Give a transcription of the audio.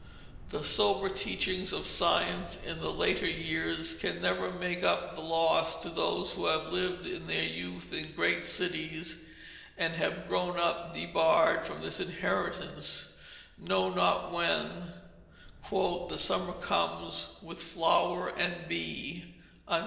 The sober teachings of science in later years can never make up the loss to those who have lived their youth in great cities, and have grown up debarred from this inheritance, knowing not when "The summer comes with flower and bee."